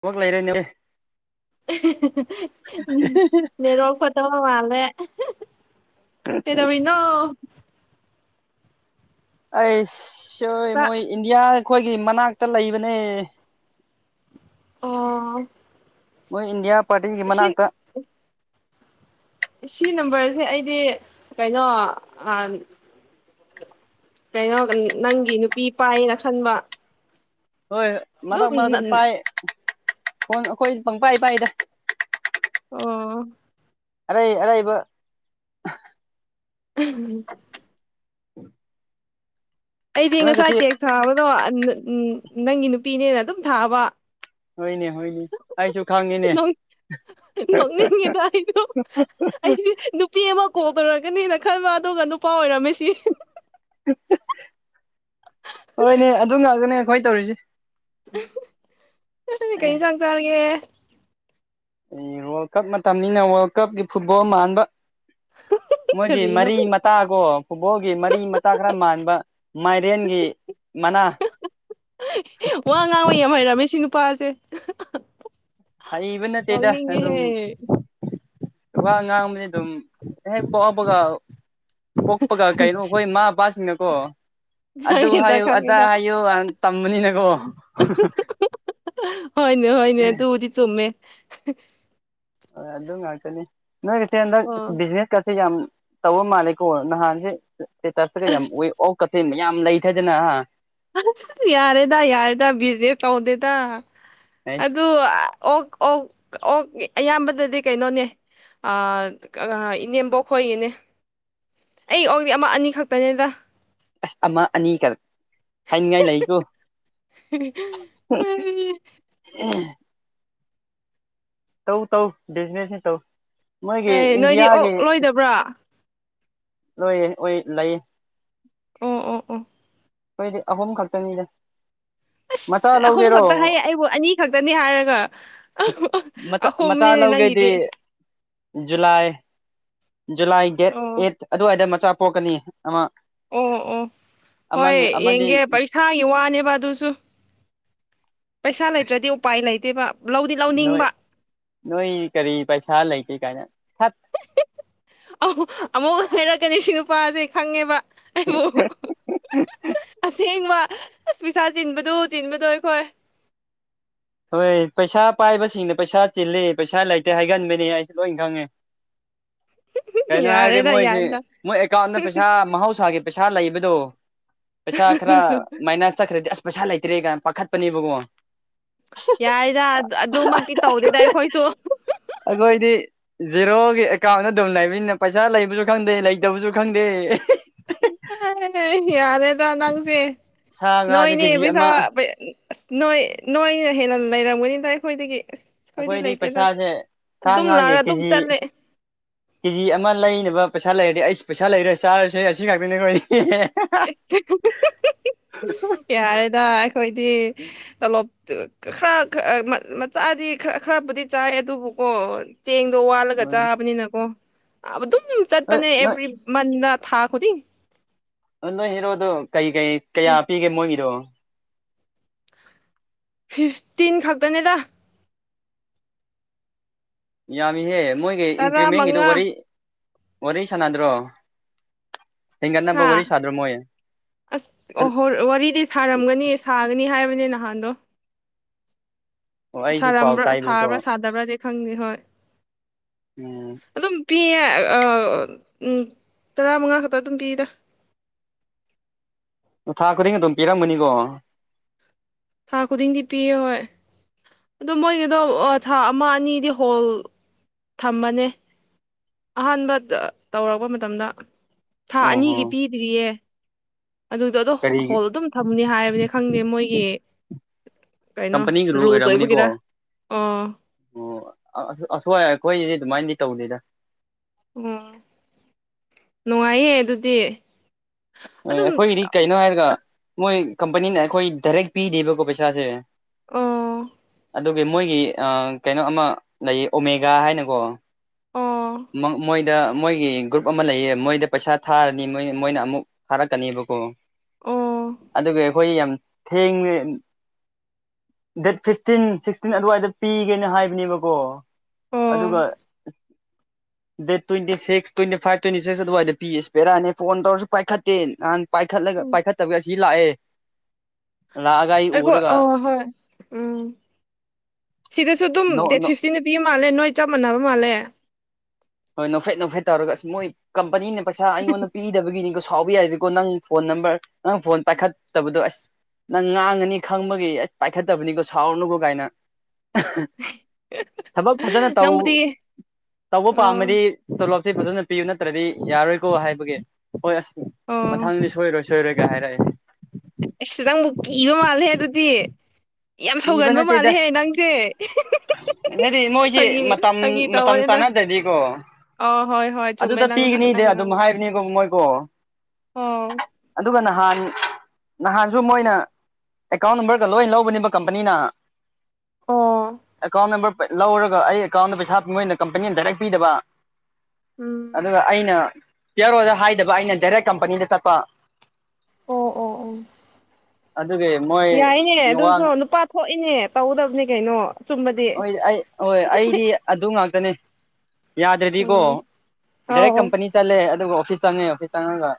ꯊꯕꯛ ꯂꯩꯔꯦꯅꯦ ꯅ ꯔꯣ ꯐꯠ ꯇꯣ ꯃꯥꯂꯦ ꯀꯩꯗꯧꯔꯤꯅꯣ ꯑꯣꯏ ꯇꯥ ꯃꯣꯏ ꯏꯟꯗꯤꯌꯥ ꯑꯩꯈꯣꯏꯒꯤ ꯃꯅꯥꯛꯇ ꯂꯩꯕꯅꯦ ꯑꯣ ꯃꯣꯏ ꯏꯟꯗꯤꯌꯥ ꯄꯥꯔꯇꯤꯒꯤ ꯁꯤ ꯃꯅꯥꯛꯇ ꯁꯤ ꯅꯝꯕꯔꯁꯦ ꯑꯩꯗꯤ ꯀꯩꯅꯣ ꯀꯩꯅꯣ ꯅꯪꯒꯤ ꯅꯨꯄꯤ ꯄꯥꯏꯌꯦꯅ ꯈꯟꯕ ꯍꯣꯏ ꯃꯔꯛ ꯑꯗꯨꯝ ꯃꯔꯛꯇ ꯅꯟ ꯄꯥꯏ ꯐꯣꯟ ꯑꯩꯈꯣꯏ ꯄꯪ ꯄꯥꯏ ꯄꯥꯏꯗ ꯑꯣ ꯑꯔꯩ ꯑꯔꯩꯕ ꯎꯝ ꯑꯩꯗꯤ ꯉꯁꯥꯏ ꯅꯣꯏꯒꯁꯤ ꯇꯦꯛꯁ ꯊꯥꯕꯗꯣ ꯎꯝ ꯅꯪꯒꯤ ꯅꯨꯄꯤꯅꯦꯅ ꯑꯗꯨꯝ ꯊꯥꯕ ꯍꯣꯏꯅꯦ ꯍꯣꯏꯅꯦ ꯑꯩꯁꯨ ꯈꯪꯉꯤꯅꯦ ꯅꯣꯡꯅꯤꯡꯉꯦꯗꯩ ꯑꯩꯗꯨ ꯅꯨꯄꯤ ꯑꯃ ꯀꯣꯝ ꯇꯔꯒꯅꯤꯅ ꯈꯟꯕ ꯑꯗꯨꯒ ꯅꯨꯄꯥ ꯑꯣꯏꯔꯝꯃꯤꯁꯤ ꯍꯣꯏꯅꯦ ꯑꯗꯨ ꯉꯥꯛꯇꯅꯦ ꯈ꯭ꯋꯥꯏ ꯇꯧꯔꯤꯁꯦ ꯀꯩ ꯌꯦꯟꯁꯥꯡ ꯆꯥꯔꯒꯦ ꯑꯦ ꯋꯥꯔꯜ ꯀꯞ ꯃꯇꯝꯅꯤꯅ ꯋꯥꯔꯜ ꯀꯞꯀꯤ ꯐꯨꯠꯕꯣꯜ ꯃꯥꯟꯕ ꯃꯣꯏꯒꯤ ꯀꯔꯤꯅꯣ ꯃꯔꯤ ꯃꯇꯥꯒꯣ ꯐꯨꯠꯕꯣꯜꯒꯤ ꯃꯔꯤ ꯃꯇꯥ ꯈꯔ ꯃꯥꯟꯕ ꯃꯥꯏꯔꯦꯟꯒꯤ ꯃꯅꯥ ꯋꯥ ꯉꯥꯡꯕ ꯌꯥꯝ ꯍꯩꯔꯝꯃꯦ ꯁꯤ ꯅꯨꯄꯥꯁꯦ ꯍꯩꯕ ꯅꯠꯇꯦꯗ ꯑꯗꯨꯝ ꯅꯣꯛꯅꯤꯡꯉꯦꯍꯦ ꯋꯥ ꯉꯥꯡꯕꯅꯤ ꯑꯗꯨꯝ ꯍꯦꯛ ꯄꯣꯛꯑꯕꯒ ꯄꯣꯛꯄꯒ ꯀꯩꯅꯣ ꯑꯩꯈꯣꯏ ꯃꯥ ꯄꯥ ꯁꯤꯡꯅꯀꯣ ꯑꯗꯨ ꯈꯪꯉꯦꯗ ꯍꯥꯏꯌꯨ ꯑꯗꯥ ꯈꯪꯉꯦꯗ ꯍꯥꯏꯌꯨ ꯑꯥ ꯇꯝꯕꯅꯤꯅꯀꯣ ꯍꯣꯏꯅꯦ ꯍꯣꯏꯅꯦ ꯑꯗꯨꯕꯨꯗꯤ ꯆꯨꯝꯃꯦ ꯍꯣꯏ ꯑꯗꯨ ꯉꯥꯛꯇꯅꯤ ꯅꯣꯏꯒꯤꯁꯦ ꯍꯟꯗꯛ ꯏꯁ ꯑꯣ ꯕꯤꯖꯤꯅꯦꯁꯀꯥꯁꯦ ꯌꯥꯝ ꯇꯧꯕ ꯃꯥꯜꯂꯦꯀꯣ ꯅꯍꯥꯟꯁꯦ ꯁ꯭ꯇꯦꯇꯁꯇꯒꯥ ꯌꯥꯝ ꯑꯁ ꯎꯋꯦ ꯑꯣꯛ ꯀꯥꯁꯦ ꯃꯌꯥꯝ ꯂꯩꯊꯗꯅ ꯍꯥ ꯑꯁ ꯌꯥꯔꯦꯗ ꯌꯥꯔꯦꯗ ꯕꯤꯖꯤꯅꯦꯁ ꯇꯧꯗꯦꯗ ꯑꯗꯨ ꯑꯣꯛ ꯑꯣꯛ ꯑꯣꯛ ꯑꯌꯥꯝꯕꯗꯥꯗꯤ ꯀꯩꯅꯣꯅꯦ ꯑꯥ ꯑꯥ ꯏꯅꯦꯝꯕꯣꯛꯈꯣꯏꯒꯤꯅꯦ ꯑꯩ ꯑꯣꯛꯗꯤ ꯑꯃ ꯑꯅꯤ ꯈꯛꯇꯥꯅꯤꯗ ꯑꯁ ꯑꯃ ꯑꯅꯤ ꯀꯥ ꯍꯥꯏꯅꯤꯡꯉꯥꯏ ꯂꯩꯀꯣ [inaudible] ꯇꯧ ꯇꯧ ꯕꯤꯖꯤꯅꯦꯁꯅꯤ ꯇꯧ ꯃꯣꯏꯒꯤ ꯏꯟꯗꯤꯌꯥꯒꯤ ꯄ꯭ꯔꯥ ꯅꯣꯏ ꯑꯣꯏ ꯂꯩꯌꯦ ꯑꯣ ꯑꯣ ꯑꯣ ꯑꯩꯈꯣꯏꯗꯤ ꯑꯍꯨꯝ ꯈꯛꯇꯅꯤꯗ ꯃꯆꯥ ꯏꯁ ꯑꯍꯨꯝ ꯂꯧꯒꯦꯔꯣ ꯈꯛꯇꯥ ꯍꯥꯏꯌꯦ ꯑꯩꯕꯨ ꯑꯅꯤ ꯈꯛꯇꯥꯅꯤ ꯍꯥꯏꯔꯒ ꯃꯆꯥ ꯃꯆꯥ ꯑꯍꯨꯝꯅꯤꯅꯦ ꯂꯧꯒꯦꯗꯤ ꯅꯪꯒꯤꯗꯤ ꯖꯨꯂꯥꯏ ꯖꯨꯂꯥꯏ ꯗꯦꯠ ꯑꯣ ꯑꯦꯠ ꯑꯗꯨꯋꯥꯏꯗ ꯃꯆꯥ ꯄꯣꯛꯀꯥꯅꯤ ꯑꯃ ꯑꯣ ꯑꯣ ꯍꯣꯏ ꯑꯃꯅ ꯌꯦꯡꯒꯦ ꯑꯃꯗꯤ ꯄꯩꯁꯥꯒꯤ ꯋꯥꯅꯦꯕ ꯑꯗꯨꯁꯨ ꯄꯩꯁꯥ ꯂꯩꯇ꯭ꯔꯥꯗꯤ ꯎꯄꯥꯏ ꯂꯩꯇꯦꯕ ꯂꯧꯗꯤ ꯅꯣꯏ ꯂꯧꯅꯤꯡꯕ ꯅꯣꯏ ꯀꯔꯤ ꯄꯩꯁꯥ ꯂꯩꯥꯇꯦ ꯀꯥꯏꯅ ꯊꯠ ꯑꯃꯨ ꯑꯃꯨꯛꯃꯨꯛ ꯍꯥꯏꯔꯛꯀꯥꯅꯤ ꯁꯤ ꯅꯨꯄꯥꯖꯤ ꯈꯪꯉꯦꯕ ꯑꯩꯕꯨ ꯑꯁꯦꯡꯕ ꯑꯁ ꯄꯩꯁꯥ ꯆꯤꯟꯕꯗꯨ ꯆꯤꯟꯕꯗꯨ ꯑꯩꯈꯣꯏ ꯍꯣꯏ ꯄꯩꯁꯥ ꯄꯥꯏꯕꯁꯤꯡꯅ ꯄꯩꯁꯥ ꯆꯤꯜꯂꯦ ꯄꯩꯁꯥ ꯂꯩꯇꯦ ꯍꯥꯏꯒꯟꯕꯅꯦ ꯑꯩꯁꯨ ꯂꯣꯏ ꯈꯪꯉꯦ [inaudible] ꯀꯩꯅꯣ ꯍꯥꯏꯔꯗꯤ ꯌꯥꯔꯦꯗ ꯃꯣꯏꯁꯤ ꯌꯥꯔꯦꯗ ꯃꯣꯏ ꯑꯦꯀꯥꯎꯟꯗ ꯄꯩꯁꯥ ꯃꯍꯧꯁꯥꯒꯤ ꯄꯩꯁꯥ ꯂꯩꯕꯗꯣ ꯄꯩꯁꯥ ꯈꯔ ꯃꯥꯏꯅꯥꯁ ꯆꯠꯈ꯭ꯔꯥꯗꯤ ꯑꯁ ꯄꯩꯁꯥ ꯂꯩꯇ꯭ꯔꯦ ꯀꯥꯏꯅ ꯄꯥꯈꯠꯄꯅꯦꯕꯀꯣ ꯌꯥꯏꯗ ꯑꯗꯨꯃꯛꯇꯤ ꯇꯧꯗꯦꯗ ꯑꯩꯈꯣꯏꯁꯨ ꯑꯗꯣ ꯑꯩꯗꯤ ꯖꯦꯔꯣꯒꯤ ꯑꯦꯀꯥꯎꯟꯗ ꯑꯗꯨꯝ ꯂꯩꯕꯅꯤꯅ ꯄꯩꯁꯥ ꯂꯩꯕꯖꯨ ꯈꯪꯗꯦ ꯂꯩꯇꯕꯁꯨ ꯈꯪꯗꯦ [unintelligible] ꯌꯥꯔꯦꯗ ꯅꯪꯁꯦ ꯁꯥ ꯉꯥꯁꯦ ꯅꯣꯏꯅꯦ ꯀꯦꯖꯤ ꯄꯩꯁꯥ ꯑꯃ ꯑꯁ ꯅꯣꯏ ꯅꯣꯏꯅ ꯍꯦꯟꯅ ꯂꯩꯔꯝꯒꯅꯤꯗ ꯑꯩꯈꯣꯏꯗꯒꯤ ꯑꯁ ꯑꯩꯈꯣꯏꯗꯤ ꯄꯩꯁꯥꯁꯦ ꯁꯥ ꯑꯗꯨꯝ ꯉꯥꯒꯤ ꯂꯥꯛꯑꯒ ꯑꯗꯨꯝ ꯀꯦꯖꯤ ꯆꯠꯂꯦ ꯀꯦꯖꯤ ꯑꯃ ꯂꯩꯅꯕ ꯄꯩꯁꯥ ꯂꯩꯔꯗꯤ ꯑꯩꯁ ꯄꯩꯁꯥ ꯂꯩꯔꯦ ꯆꯥꯔꯁꯦ ꯑꯁꯤ ꯉꯥꯛꯇꯥꯅꯦꯈꯣꯏ [inaudible] [unintelligible] ꯌꯥꯔꯦꯗ ꯑꯩꯈꯣꯏꯗꯤ ꯇꯂꯣꯞ ꯈꯔ [unintelligible] ꯃꯆꯥꯗꯤ ꯈꯔ ꯈꯔ ꯕꯨꯗꯤ ꯆꯥꯏ ꯑꯗꯨꯕꯨꯀꯣ ꯆꯦꯡꯗꯣ ꯋꯥꯜꯂꯒ ꯆꯥꯕꯅꯤꯅꯀꯣ ꯑꯗꯨꯝ ꯅꯣꯏ ꯆꯠꯄꯅꯦ ꯑꯦꯕ꯭ꯔꯤ ꯅꯣꯏ ꯃꯅꯥ ꯊꯥ ꯈꯨꯗꯤꯡ ꯑꯗꯣ ꯅꯣꯏ ꯍꯦꯔꯣꯗꯣ ꯀꯩ ꯀꯩ ꯀꯌꯥ ꯄꯤꯒꯦ ꯃꯣꯏꯒꯤꯗꯣ ꯐꯤꯐꯇꯤꯟ ꯈꯥꯛꯇꯅꯦꯗ ꯌꯥꯝꯃꯤꯍꯦ ꯃꯣꯏꯒꯤ ꯇꯔꯥ ꯏꯟꯀ꯭ꯔꯤꯃꯦꯟꯒꯤꯗꯨ ꯃꯉꯥ ꯋꯥꯔꯤ ꯋꯥꯔꯤ ꯁꯥꯟꯅꯗ꯭ꯔꯣ ꯍꯦꯟꯒꯠꯅꯕ ꯍꯥ ꯋꯥꯔꯤ ꯁꯥꯗꯔꯣ ꯃꯣꯢ ꯑꯁ ꯋꯥꯔꯤꯗꯤ ꯁꯥꯔꯝꯒꯅꯤ ꯁꯥꯒꯅꯤ ꯍꯥꯏꯕꯅꯦ ꯅꯍꯥꯟꯗꯣ ꯑꯣ ꯑꯩꯁꯨ ꯄꯥꯎ ꯁꯥꯔꯝꯕ꯭ꯔ ꯇꯥꯏꯕꯀꯣ ꯁꯥꯕ꯭ꯔꯥ ꯁꯥꯗꯕ꯭ꯔꯗꯤ ꯈꯪꯗꯦ ꯍꯣꯏ ꯎꯝ ꯑꯗꯨꯝ ꯄꯤꯌꯦ ꯇꯔꯥꯃꯉꯥ ꯈꯛꯇ ꯑꯗꯨꯝ ꯄꯤꯗ ꯊꯥ ꯈꯨꯗꯤꯡ ꯑꯗꯨꯝ ꯄꯤꯔꯝꯃꯅꯤꯀꯣ ꯊꯥ ꯈꯨꯗꯤꯡꯗꯤ ꯄꯤꯑꯦ ꯍꯣꯏ ꯑꯗꯣ ꯃꯣꯏꯒꯤꯗꯣ ꯊꯥ ꯑꯃ ꯑꯅꯤꯗꯤ ꯍꯣꯜ ꯊꯝꯃꯅꯦ ꯑꯍꯥꯟꯕ ꯇꯧꯔꯛꯄ ꯃꯇꯝꯗ ꯊꯥ ꯑꯣ ꯍꯣ ꯑꯅꯤꯒꯤ ꯄꯤꯗ꯭ꯔꯤꯌꯦ ꯑꯗꯨꯗꯣ ꯑꯗꯣ ꯀꯔꯤ ꯍꯣꯜ ꯑꯗꯨꯝ ꯊꯝꯃꯅꯤ ꯍꯥꯏꯕꯅꯦ ꯈꯪꯗꯦ ꯃꯣꯏꯒꯤ ꯀꯩꯅꯣ ꯀꯝꯄꯅꯤꯒꯤ ꯔꯨꯜ ꯔꯨꯜꯁ ꯑꯣꯏꯔꯝꯒꯅꯤꯀꯣ ꯑꯣꯏꯕꯒꯤꯔ ꯑꯣ ꯑꯣ ꯑꯁꯨꯋꯥꯏ ꯑꯩꯈꯣꯏꯗꯤ ꯑꯗꯨꯃꯥꯏꯗꯤ ꯇꯧꯗꯦꯗ ꯑꯝ ꯅꯨꯡꯉꯥꯏꯌꯦ ꯑꯗꯨꯗꯤ ꯑ ꯑꯗꯨꯝ ꯑꯈꯣꯏꯒꯤꯗꯤ ꯀꯩꯅꯣ ꯍꯥꯏꯔꯒ ꯃꯣꯏ ꯀꯝꯄꯅꯤꯅ ꯑꯩꯈꯣꯏ ꯗꯔꯦꯛ ꯄꯤꯗꯦꯕꯀꯣ ꯄꯩꯁꯥꯁꯦ ꯑꯥ ꯑꯗꯨꯒꯤ ꯃꯣꯏꯒꯤ ꯑ ꯀꯩꯅꯣ ꯑꯃ ꯂꯩꯌꯦ ꯑꯣꯃꯦꯒꯥ ꯍꯥꯏꯅꯀꯣ ꯑꯣ ꯃꯥ ꯃꯣꯏꯗ ꯃꯣꯏꯒꯤ ꯒ꯭ꯔꯨꯞ ꯑꯃ ꯂꯩꯌꯦ ꯃꯣꯏꯗ ꯄꯩꯁꯥ ꯊꯥꯔꯅꯤ ꯃꯣꯏ ꯃꯣꯏꯅ ꯑꯃꯨꯛ ꯊꯥꯔꯛꯀꯅꯦꯕꯀꯣ ꯑꯣ ꯑꯗꯨꯒ ꯑꯩꯈꯣꯏ ꯌꯥꯝ ꯊꯦꯡꯉꯦ ꯗꯦꯠ ꯐꯤꯐꯇꯤꯟ ꯁꯤꯛꯁꯇꯤꯟ ꯑꯗꯨꯋꯥꯏꯗ ꯄꯤꯒꯦꯅ ꯍꯥꯏꯕꯅꯦꯕꯀꯣ ꯑꯣ ꯑꯗꯨꯒ date twenty six twenty five twenty six ꯑꯗꯨꯋꯥꯏꯗ ꯄꯤꯌꯦꯁ ꯕꯦꯔꯅꯤ ꯐꯣꯟ ꯇꯧꯔꯁꯨ ꯄꯥꯏꯈꯠꯇꯦ ꯅꯍꯥꯟ ꯄꯥꯏꯈꯠꯂꯒ ꯎꯝ ꯄꯥꯏꯈꯠꯇꯕꯤ ꯑꯁꯤ ꯂꯥꯛꯑꯦ ꯂꯥꯛꯑꯒ ꯑꯩ ꯑꯩꯈꯣ ꯎꯔꯒ ꯑꯣ ꯍꯣꯏ ꯎꯝ ꯁꯤꯗꯁꯨ ꯑꯗꯨꯝ ꯅꯣꯛ ꯗꯦꯠ ꯐꯤꯐꯇꯤꯟꯗ ꯄꯤꯕ ꯃꯥꯜꯂꯦ ꯅꯣꯏ ꯆꯞ ꯃꯥꯟꯅꯕ ꯃꯥꯜꯂꯦ ꯍꯣꯏ ꯅꯣꯛꯐꯦꯠ ꯅꯣꯛꯐꯦꯠ ꯇꯧꯔꯒ ꯑꯁ ꯃꯣꯏ ꯀꯝꯄꯅꯤꯅ ꯄꯩꯁꯥ ꯑꯩꯉꯣꯟꯗ ꯄꯤꯗꯕꯒꯤꯅꯤꯀꯣ ꯁꯥꯎꯕ ꯌꯥꯏꯗꯦꯀꯣ ꯅꯪ ꯐꯣꯟ ꯅꯝꯕꯔ ꯅꯪ ꯐꯣꯟ ꯄꯥꯏꯈꯠꯇꯕꯗꯣ ꯑꯁ ꯅꯪ ꯉꯥꯡꯉꯅꯤ ꯈꯪꯕꯒꯤ ꯑꯁ ꯄꯥꯏꯈꯠꯇꯕꯅꯤꯀꯣ ꯁꯥꯎꯔꯅꯨꯀꯣ ꯒꯥꯏꯅ ꯊꯕꯛ ꯐꯖꯅ ꯇꯧ ꯅꯪꯕꯨꯗꯤ ꯇꯧꯕ ꯑꯣ ꯄꯥꯝꯃꯗꯤ ꯇꯣꯂꯣꯞꯇꯤ ꯐꯖꯅ ꯄꯤꯌꯨ ꯅꯠꯇ꯭ꯔꯗꯤ ꯌꯥꯔꯣꯏꯀꯣ ꯍꯥꯏꯕꯒꯤ ꯍꯣꯏ ꯑꯁ ꯑꯣ ꯃꯊꯪꯗꯤ ꯁꯣꯏꯔꯣꯏ ꯁꯣꯏꯔꯣꯏꯒ ꯍꯥꯏꯔꯛꯑꯦ ꯑꯤꯁ ꯅꯪꯕꯨ ꯀꯤꯕ ꯃꯥꯜꯂꯦꯍꯦ ꯑꯗꯨꯗꯤ ꯌꯥꯝ ꯀꯤꯕ ꯁꯧꯒꯟꯕ ꯃꯥꯜꯂꯦꯍꯦ ꯅꯪꯁꯦ ꯅꯠꯑꯦ ꯃꯣꯏꯁꯤ ꯐꯥꯒꯤ ꯃꯇꯝ ꯐꯥꯒꯤ ꯃꯇꯝ ꯇꯧꯕꯅꯤꯗ ꯆꯥꯟꯅꯗ꯭ꯔꯗꯤꯀꯣ ꯑꯣ ꯍꯣꯏ ꯍꯣꯏ ꯑꯗꯨꯗ ꯆꯨꯝꯃꯦ ꯅꯪ ꯅꯪ ꯅꯪ ꯄꯤꯒꯅꯤꯗ ꯑꯗꯨꯝ ꯍꯥꯏꯕꯅꯦꯕ ꯃꯣꯏꯒꯣ ꯑꯥꯎ ꯑꯗꯨꯒ ꯅꯍꯥꯟ ꯅꯍꯥꯟꯁꯨ ꯃꯣꯏꯅ ꯑꯦꯀꯥꯎꯟ ꯅꯝꯕꯔꯒ ꯂꯣꯏ ꯂꯧꯕꯅꯦꯕ ꯀꯝꯄꯅꯤꯅ ꯑꯣ ꯑꯦꯀꯥꯎꯟ ꯅꯝꯕꯔ ꯂꯧꯔꯒ ꯑꯩ ꯑꯦꯀꯥꯎꯟꯗ ꯄꯩꯁꯥ ꯃꯣꯏꯅ ꯀꯝꯄꯅꯤꯅ ꯗꯥꯔꯦꯛ ꯄꯤꯗꯕ ꯎꯝ ꯑꯗꯨꯒ ꯑꯩꯅ ꯄꯤꯌꯔꯣꯗ ꯍꯥꯏꯗꯕ ꯑꯩꯅ ꯗꯥꯏꯔꯦꯛ ꯀꯝꯄꯅꯤꯗ ꯆꯠꯄ ꯑꯣ ꯑꯣ ꯑꯣ ꯑꯗꯨꯒꯤ ꯃꯣꯏ ꯌꯥꯏꯅꯦ ꯋꯥ ꯑꯗꯨꯁꯣ ꯅꯨꯄꯥ ꯊꯣꯛꯏꯅꯦ ꯇꯧꯒꯗꯕꯅꯦ ꯀꯩꯅꯣ꯫ ꯑꯆꯨꯝꯕꯗꯤ ꯍꯣꯏ ꯑꯩ ꯍꯣꯏ ꯑꯩꯗꯤ ꯑꯗꯨ ꯉꯥꯛꯇꯅꯦ꯫ ꯌꯥꯗ꯭ꯔꯥꯗꯤꯀꯣ ꯎꯝ ꯗꯥꯏꯔꯦꯛ ꯑꯧ ꯀꯝꯄꯅꯤ ꯆꯠꯂꯦ ꯑꯗꯨꯒ ꯑꯣꯐꯤꯁ ꯆꯪꯉꯦ ꯑꯣꯐꯤꯁ ꯆꯪꯉꯒ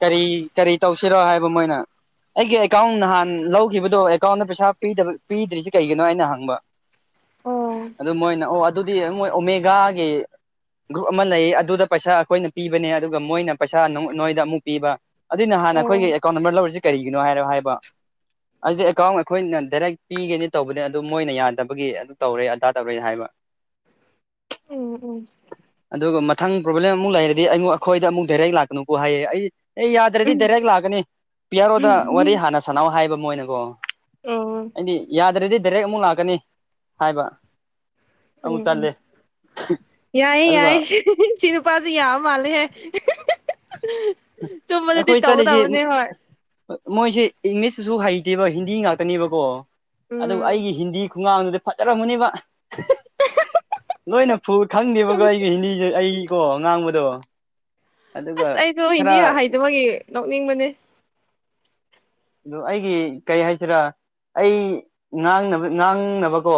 ꯀꯔꯤ ꯀꯔꯤ ꯇꯧꯁꯤꯔꯣ ꯍꯥꯏꯕ ꯃꯣꯏꯅ ꯑꯩꯒꯤ ꯑꯦꯀꯥꯎꯟ ꯅꯍꯥꯟ ꯂꯧꯈꯤꯕꯗꯣ ꯑꯦꯀꯥꯎꯟꯗ ꯄꯩꯁꯥ ꯄꯤꯗꯕ ꯄꯤꯗ꯭ꯔꯤꯁꯤ ꯀꯩꯒꯤꯅꯣ ꯑꯩꯅ ꯍꯪꯕ꯫ ꯑꯣ ꯑꯗꯨ ꯃꯣꯏꯅ ꯑꯣ ꯑꯗꯨꯗꯤ ꯃꯣꯏ ꯑꯣꯃꯦꯒꯥꯒꯤ꯫ ꯒ꯭ꯔꯨꯞ ꯑꯃ ꯂꯩꯌꯦ ꯑꯗꯨꯗ ꯄꯩꯁꯥ ꯑꯈꯣꯏꯅ ꯄꯤꯕꯅꯦ ꯑꯗꯨꯒ ꯃꯣꯏꯅ ꯄꯩꯁꯥ ꯅꯥꯎ ꯅꯣꯏꯗ ꯑꯃꯨꯛ ꯄꯤꯕ ꯑꯗꯨꯏ ꯅꯍꯥꯟ ꯑꯩꯈꯣꯏꯒꯤ ꯑꯣ ꯑꯦꯀꯥꯎꯟ ꯅꯝꯕꯔ ꯂꯧꯔꯤꯖꯤ ꯀꯔꯤꯒꯤꯅꯣ ꯍꯥꯏꯔꯣ ꯍꯥꯏꯕ ꯑꯗꯨꯗꯤ ꯑꯦꯀꯥꯎꯟ ꯑꯈꯣꯏꯅ ꯗꯥꯏꯔꯦꯛ ꯄꯤꯒꯅꯤ ꯇꯧꯕꯅꯤ ꯑꯗꯨ ꯃꯣꯏꯅ ꯌꯥ ꯗꯕꯒꯤ ꯑꯗꯨ ꯇꯧꯔꯦ ꯑꯗꯥ ꯇꯧꯔꯦ ꯍꯥꯏꯕ ꯎꯝ ꯎꯝ ꯑꯗꯨꯒ ꯃꯊꯪ ꯄ꯭ꯔꯣꯕ꯭ꯂꯦꯝ ꯑꯃꯨꯛ ꯂꯩꯔꯗꯤ ꯑꯩꯉꯣ ꯑꯈꯣꯏꯗ ꯑꯃꯨꯛ ꯗꯥꯏꯔꯦꯛ ꯂꯥꯛꯀꯅꯨꯀꯣ ꯍꯥꯏꯌꯦ ꯑꯩ ꯑꯦ ꯌꯥꯗ꯭ꯔꯥꯗꯤ ꯗꯥꯏꯔꯦꯛ ꯂꯥꯛꯀꯅꯤ ꯄꯤꯌꯥꯔꯣꯗ ꯋꯥꯔꯤ ꯎꯝ ꯍꯥꯟꯅ ꯁꯅꯥꯎ ꯍꯥꯏꯕ ꯃꯣꯏꯅꯀꯣ [inaudible] ꯑꯩꯗꯤ ꯌꯥꯗ꯭ꯔꯥꯗꯤ ꯗꯥꯏꯔꯦꯛ ꯑꯃꯨꯛ ꯂꯥꯛꯀꯅꯤ꯫ ꯍꯥꯏꯕ ꯎꯝ ꯑꯃꯨꯛ ꯎꯝ ꯆꯠꯂꯦ ꯌꯥꯏꯌꯦ ꯑꯗꯨꯒ ꯌꯥꯏꯌꯦ ꯁꯤ ꯅꯨꯄꯥꯁꯤ ꯌꯥꯕ ꯃꯥꯜꯂꯦꯍꯦ ꯆꯨꯝꯕꯗꯗꯤ ꯇꯧꯒꯗꯕꯅꯦ ꯍꯣꯏ꯫ ꯃꯣꯏꯁꯦ ꯏꯪꯂꯤꯁꯇꯨꯁꯨ ꯍꯩꯇꯦꯕ ꯍꯤꯟꯗꯤ ꯉꯥꯛꯇꯅꯦꯕꯀꯣ ꯑꯗꯨ ꯎꯝ ꯑꯩꯒꯤ ꯍꯤꯟꯗꯤ ꯈꯨꯉꯥꯡꯗꯨꯗꯤ ꯐꯖꯔꯝꯒꯅꯤꯕ ꯅꫭꯏꯅ ꯐꯨꯜ ꯈꯪꯗꯦꯕꯒꯣ ꯑꯩꯒꯤ ꯍꯤꯟꯗꯤꯁꯦ ꯑꯩꯀꯣ ꯉꯥꯡꯕꯗꯣ ꯑꯗꯨꯒ ꯑꯁ ꯑꯩꯗꯣ ꯍꯤꯟꯗꯤ ꯈꯔ ꯍꯩꯇꯕꯒꯤ ꯅꯣꯛꯅꯤꯡꯕꯅꯦ ꯑꯗꯣ ꯑꯩꯒꯤ ꯀꯩ ꯍꯥꯏꯁꯤꯔ ꯑꯩ ꯉꯥꯡꯅꯕ ꯉꯥꯡꯅꯕꯀꯣ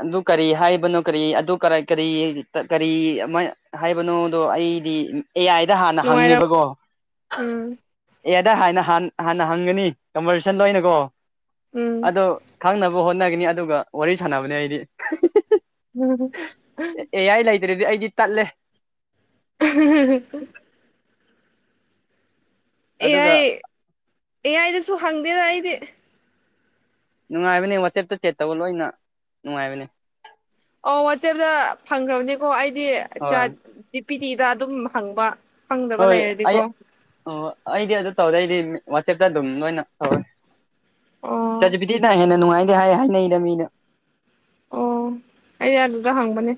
ꯑꯗꯨ ꯀꯔꯤ ꯍꯥꯏꯕꯅꯣ ꯀꯔꯤ ꯑꯗꯨ ꯀꯔꯥꯢ ꯀꯔꯤ ꯇ ꯀꯔꯤ ꯑꯃꯥꯢ ꯍꯥꯏꯕꯅꯣꯗꯣ ꯑꯩꯗꯤ ꯎꯝ ꯑꯦ ꯑꯥꯏꯗ ꯍꯥꯟꯅ ꯅꯨꯡꯉꯥꯏꯔꯝ ꯍꯪꯉꯦꯕꯀꯣ ꯎꯝ ꯫ ꯑꯦ ꯑꯥꯢꯗ ꯍꯥꯟꯅ ꯍꯥꯟ ꯍꯥꯟꯅ ꯍꯪꯒꯅꯤ ꯀꯝꯕꯔꯁꯟ ꯂꯣꯏꯅꯀꯣ ꯎꯝ ꯑꯗꯣ ꯈꯪꯅꯕ ꯍꯣꯠꯅꯒꯅꯤ ꯑꯗꯨꯒ ꯋꯥꯔꯤ ꯁꯥꯟꯅꯕꯅꯦ ꯑꯩꯗꯤ ꯑꯦ ꯑꯥꯏ ꯂꯩ꯫ ꯁꯤꯗꯗꯤ ꯑꯩꯗꯤ ꯇꯠꯂꯦ [inaudible] ꯑꯦ ꯑꯗꯨꯒ ꯑꯥꯏ ꯑꯦ ꯑꯥꯏꯗꯁꯨ ꯍꯪꯗꯦꯗꯥ ꯑꯩꯗꯤ ꯅꯨꯡꯉꯥꯏꯕꯅꯦ ꯋꯥꯆꯦꯞꯇ ꯆꯦꯠ ꯇꯧꯕ ꯂꯣꯏꯅ ꯅꯨꯡꯉꯥꯏꯕꯅꯦ ꯑꯣ ꯋꯥꯆꯦꯞꯇ ꯐꯪꯈ꯭ꯔꯥꯕꯅꯤꯀꯣ ꯑꯩꯗꯤ ꯆꯥꯠ ꯍꯣꯏ ꯖꯤ ꯄꯤ ꯇꯤꯗ ꯑꯗꯨꯝ ꯍꯪꯕ꯫ ꯈꯪꯗꯕ ꯍꯣꯏ ꯑꯩ ꯂꯩꯔꯗꯤꯀꯣ ꯑꯣ ꯑꯩꯗꯤ ꯑꯗꯨ ꯇꯧꯗꯦ ꯑꯩꯗꯤ ꯋꯥꯆꯦꯞꯇ ꯑꯗꯨꯝ ꯂꯣꯏꯅ ꯇꯧꯋꯦ꯫ ꯆꯥꯠ ꯑꯣ ꯖꯤ ꯄꯤ ꯇꯤꯅ ꯍꯦꯟꯅ ꯅꯨꯡꯉꯥꯏꯗꯤ ꯍꯥꯏ ꯍꯥꯏꯅꯩꯗ ꯃꯤꯅ ꯑꯣ ꯑꯩ ꯑꯗꯨꯗ ꯍꯪꯕꯅꯦ꯫